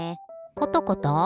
コトコト？